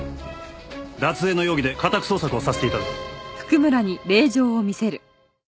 脱税の容疑で家宅捜索をさせて頂く。